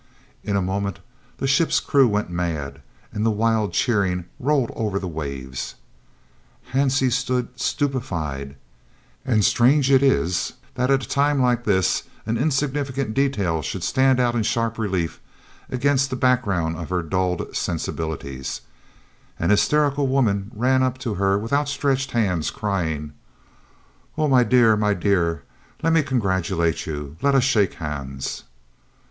In a moment the ship's crew went mad, as the wild cheering rolled over the waves. Hansie stood stupefied until (and strange it is that at a time like this an insignificant detail should stand out in sharp relief against the background of her dulled sensibilities) an hysterical woman ran up to her with outstretched hands, crying: "Oh, my dear, my dear, let me congratulate you! Let us shake hands!"